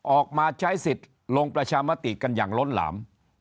ออกมาใช้สิทธิ์ลงประชามติกันอย่างล้นหลาม